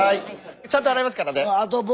ちゃんと払いますからね。